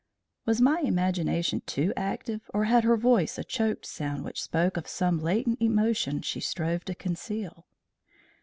Was my imagination too active, or had her voice a choked sound which spoke of some latent emotion she strove to conceal?